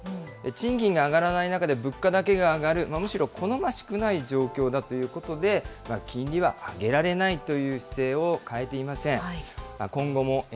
賃金が上がらない中で物価だけが上がる、むしろ好ましくない状況だということで、金利は上げられないという姿勢を変えていません。